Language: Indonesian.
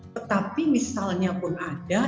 tetapi misalnya pun ada